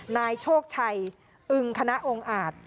นายโชคชัยอึงคณะองค์อาจ